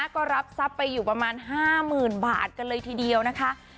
ก็รับทรัพย์ไปอยู่ประมาณ๕๐๐๐บาทกันเลยทีเดียวนะคะ